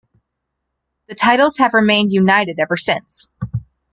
The titles have remained united ever since.